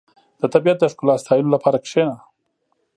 • د طبیعت د ښکلا ستایلو لپاره کښېنه.